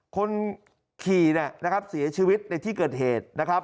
คนขี่นะครับเสียชีวิตในที่เกิดเหตุนะครับ